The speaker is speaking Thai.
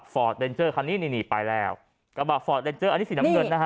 เดนเจอร์คันนี้นี่นี่ไปแล้วกระบะฟอร์ดเรนเจอร์อันนี้สีน้ำเงินนะฮะ